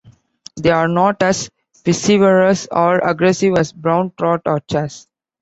They are not as piscivorous or aggressive as brown trout or chars.